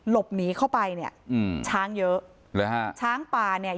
หลบหนีเข้าไปเนี่ยอืมช้างเยอะเลยฮะช้างป่าเนี่ย